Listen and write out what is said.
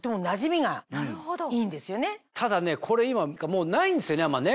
ただねこれ今もうないんですよねあんまね。